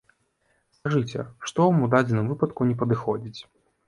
Скажыце, што вам у дадзеным выпадку не падыходзіць?